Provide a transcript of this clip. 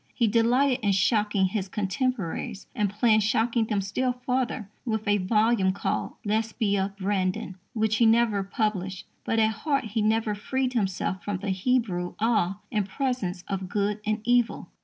He delighted in shocking his contemporaries, and planned shocking them still further with a volume called Lesbia Brandon, which he never published; but at heart he never freed himself from the Hebrew awe in presence of good and evil.